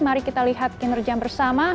mari kita lihat kinerja bersama